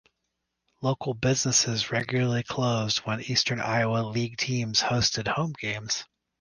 Local businesses regularly closed when Eastern Iowa League teams hosted home games.